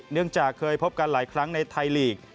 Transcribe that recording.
เนื่องจากเคยพบกันหลายครั้งในไทยลีก